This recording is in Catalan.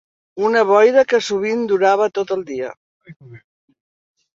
Una boira que sovint durava tot el dia